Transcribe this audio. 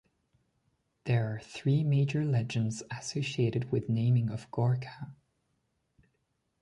There are three major legends associated with naming of "Gorkha".